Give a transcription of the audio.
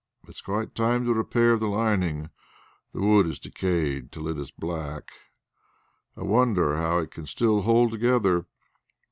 It is quite time to repair the lining; the wood has decayed till it is black. I wonder how it can still hold together.